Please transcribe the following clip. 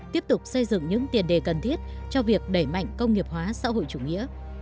tiếp tục xây dựng những tiền đề cần thiết cho việc đẩy mạnh công nghiệp hóa xã hội chủ nghĩa